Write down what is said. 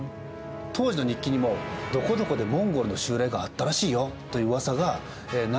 当時の日記にも「どこどこでモンゴルの襲来があったらしいよ」といううわさが何回も出てきています。